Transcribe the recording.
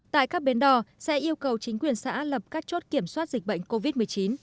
tại các bến đò sẽ yêu cầu chính quyền xã lập các chốt kiểm soát dịch bệnh covid một mươi chín